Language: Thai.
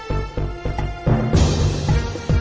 กินโทษส่องแล้วอย่างนี้ก็ได้